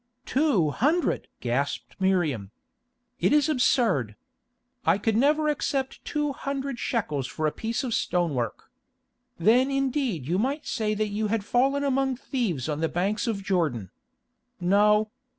"Two hundred!" gasped Miriam. "It is absurd. I could never accept two hundred shekels for a piece of stonework. Then indeed you might say that you had fallen among thieves on the banks of Jordan. No.